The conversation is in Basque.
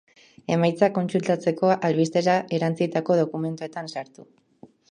Emaitzak kontsultatzeko, albistera erantzitako dokumentuetan sartu.